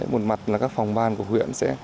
một mặt là các phòng ban của huyện